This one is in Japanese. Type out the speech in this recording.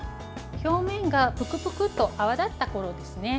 表面がぷくぷくっと泡立ったころですね。